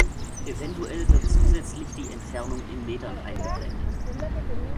Eventuell wird zusätzlich die Entfernung in Metern eingeblendet.